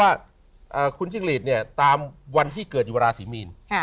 ว่าคุณจิ้งหลีดเนี่ยตามวันที่เกิดอยู่ราศีมีน